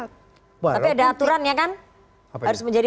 tapi ada aturan ya kan harus menjadi